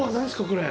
これ。